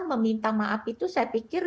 meminta maaf itu saya pikir